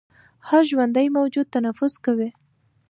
هر ژوندی موجود تنفس کوي